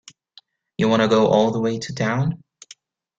You wanna go all the way to town?